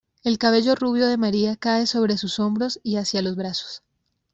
El cabello rubio de María cae sobre sus hombros y hacia los brazos.